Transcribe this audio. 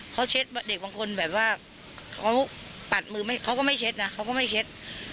เขาเช็ดเด็กบางคนแบบว่าเขาปัดมือเขาก็ไม่เช็ดนะเขาก็ไม่เช็ด